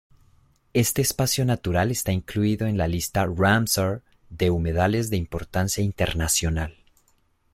Este espacio natural está incluido en la lista Ramsar de humedales de importancia internacional.